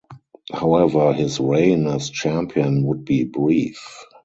However, his reign as champion would be brief.